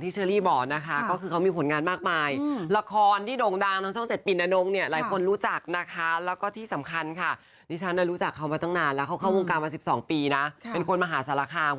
ประโยคไหนที่เราจะได้พูดกันเป็นประโยคสุดท้าย